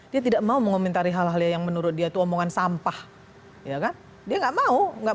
dia tidak mau mengomentari hal hal yang menurut dia itu omongan sampah ya kan dia nggak mau nggak mau